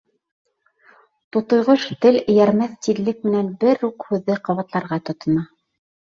Тутыйғош тел эйәрмәҫ тиҙлек менән бер үк һүҙҙе ҡабатларға тотона: